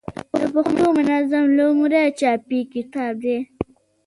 د پښتو منظم لومړنی چاپي کتاب دﺉ.